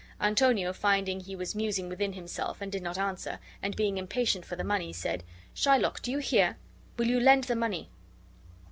Antonio, finding be was musing within himself and did not answer, and being impatient for the money, said: "Shylock, do you hear? Will you lend the money?"